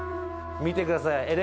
見てください。